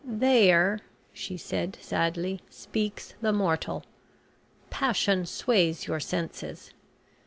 "There," she said sadly, "speaks the mortal. Passion sways your senses.